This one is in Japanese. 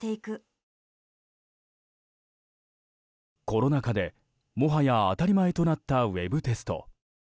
コロナ禍で、もはや当たり前となったウェブテスト。